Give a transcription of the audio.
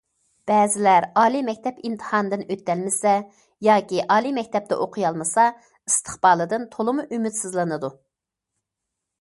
بەزىلەر ئالىي مەكتەپ ئىمتىھانىدىن ئۆتەلمىسە ياكى ئالىي مەكتەپتە ئوقۇيالمىسا، ئىستىقبالىدىن تولىمۇ ئۈمىدسىزلىنىدۇ.